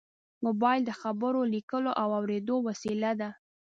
موبایل د خبرو، لیکلو او اورېدو وسیله ده.